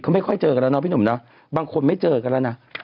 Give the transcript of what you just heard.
ไม่ค่อยเจอกันแล้วเนาะพี่หนุ่มเนาะบางคนไม่เจอกันแล้วนะ